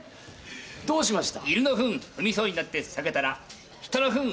どうしました？